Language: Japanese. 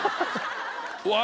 うわ！